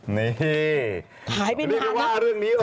หายไม่ผ่านนะ